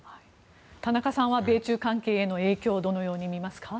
田中さんは米中関係への影響どうみますか？